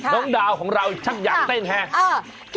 น้องดาวของเราช่างอยากเต้นแทน